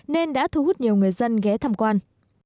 nên đã thu hút nhiều người dân ghé thăm quan